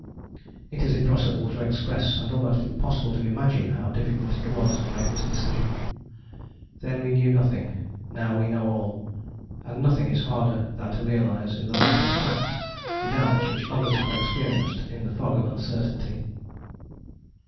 It is impossible to express and almost impossible to imagine how difficult it was to make this decision. Then we knew nothing: now we know all. And nothing is harder than to realize in the light of facts the doubts which others have experienced in the fog of uncertainty.